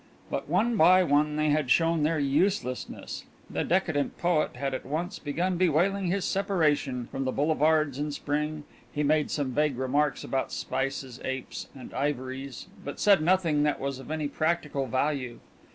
But one by one they had shown their uselessness. The decadent poet had at once begun bewailing his separation from the boulevards in spring he made some vague remarks about spices, apes, and ivories, but said nothing that was of any practical value.